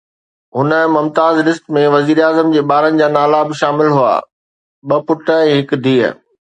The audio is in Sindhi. هن ”ممتاز لسٽ“ ۾ وزيراعظم جي ٻارن جا نالا به شامل هئا: ٻه پٽ ۽ هڪ ڌيءَ.